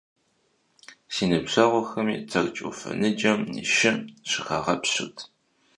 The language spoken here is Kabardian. Си ныбжьэгъухэми Тэрч Ӏуфэ ныджэм шы щыхагъэпщырт.